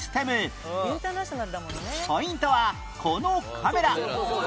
ポイントはこのカメラ